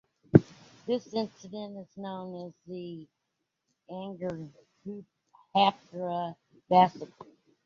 This incident is known as the Anuradhapura massacre.